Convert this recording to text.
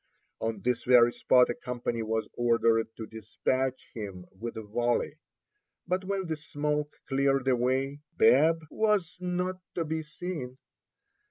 On this very spot a company was ordered to despatch him with a volley; but when the smoke cleared away, Bab was not to be seen.